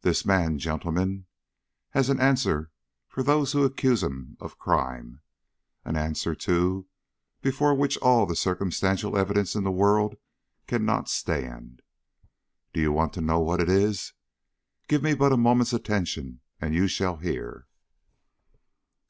This man, gentlemen, has an answer for those who accuse him of crime an answer, too, before which all the circumstantial evidence in the world cannot stand. Do you want to know what it is? Give me but a moment's attention and you shall hear."